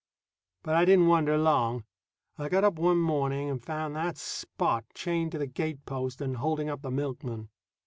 But I didn't wonder long. I got up one morning and found that Spot chained to the gate post and holding up the milkman.